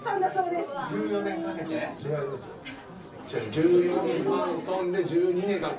１４万ｔで１２年かけて。